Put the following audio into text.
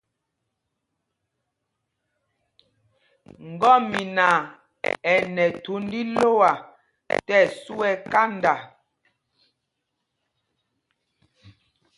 Ŋgɔ́mina ɛ nɛ thūnd ílɔ́a tí ɛsu ɛ́ kanda.